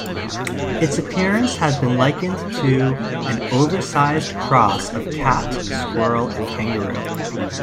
Its appearance has been likened to "an oversized cross of cat, squirrel and kangaroo".